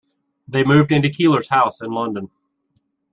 They moved into Keiller's house in London.